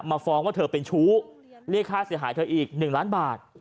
ฟ้องว่าเธอเป็นชู้เรียกค่าเสียหายเธออีก๑ล้านบาท